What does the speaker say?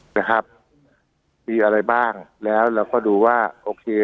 นะครับมีอะไรบ้างแล้วเราก็ดูว่าโอเค